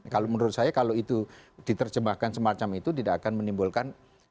kalau menurut saya kalau itu diterjemahkan semacam itu tidak akan menimbulkan perdebatan yang negatif